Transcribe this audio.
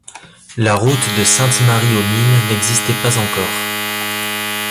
La route de Sainte-Marie-aux-Mines n'existait pas encore.